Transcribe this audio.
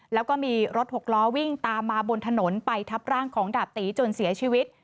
แล้วก็มีรถหกล้อวิ่งตามมาบนถนนไปทับร่างของดาบตีจนเสียชีวิต